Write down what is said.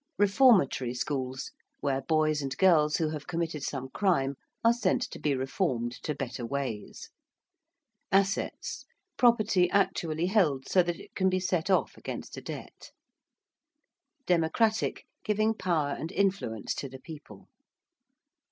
~reformatory schools~: where boys and girls who have committed some crime are sent to be reformed to better ways. ~assets~: property actually held, so that it can be set off against a debt. ~democratic~: giving power and influence to the people.